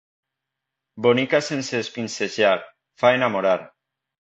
Bonica sense espinzellar, fa enamorar.